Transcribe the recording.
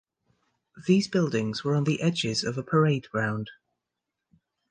These buildings were on the edges of a parade ground.